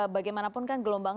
bagaimanapun kan gelombang